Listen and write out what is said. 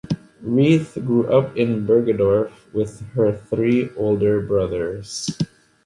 Rieth grew up in Bergedorf with her three older brothers.